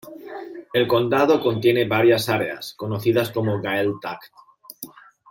El condado contiene varias áreas, conocidas como Gaeltacht.